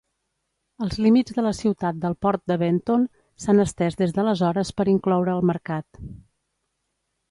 Els límits de la ciutat del port de Benton s'han estès des d'aleshores per incloure el mercat.